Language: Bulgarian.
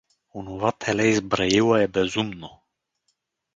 Онова теле из Браила е безумно.